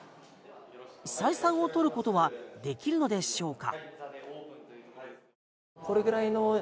採算を取ることはできるのでしょうか。